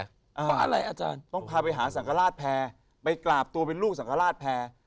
เพราะอะไรอาจารย์ต้องพาไปหาสังฆราชแพรไปกราบตัวเป็นลูกสังฆราชแพร